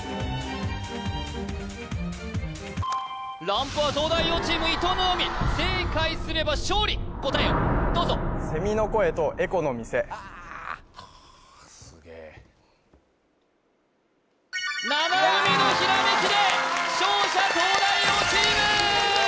ランプは東大王チーム伊藤七海正解すれば勝利答えをどうぞ・あっすげえ七海のひらめきで勝者東大王チーム！